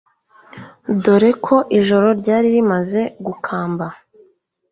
dore ko ijoro ryari rimaze gukamba